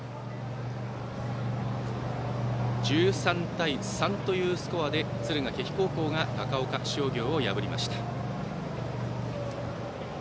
１３対３というスコアで敦賀気比高校が高岡商業を破りました。